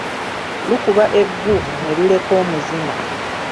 Lukuba eggu ne luleka omuzima.